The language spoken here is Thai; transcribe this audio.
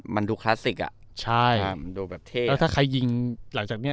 มันดูคลาสสิกอ่ะใช่มันดูแบบเท่แล้วถ้าใครยิงหลังจากเนี้ย